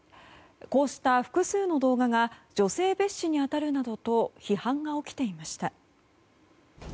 こうした複数の動画が女性蔑視に当たるなどと批判が起きていました。